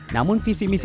namun visi misalnya